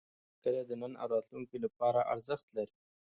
کلي د نن او راتلونکي لپاره ارزښت لري.